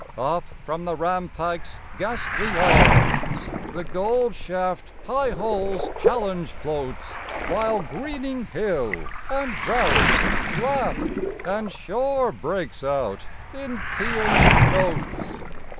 Up from the rampike's ghastly arms The gold shaft high hole's challenge floats, While greening hill and valley laugh And shore breaks out in pæan notes.